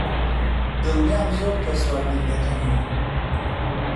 دڵنیام زۆر کەس وا بیر دەکەنەوە.